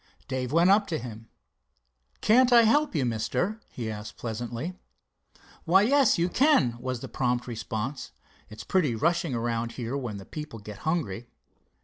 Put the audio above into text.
Dave went up to him. "Can't I help you, mister?" he asked pleasantly. "Why, yes, you can," was the prompt response. "It's pretty rushing around here when the people get hungry."